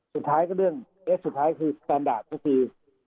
สุดท้ายก็เรื่องเน็ตสุดท้ายคือทรัพย์ซูชิ